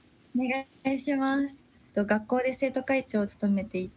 学校で生徒会長を務めていて。